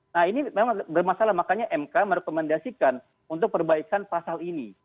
nah ini memang bermasalah makanya mk merekomendasikan untuk perbaikan pasal ini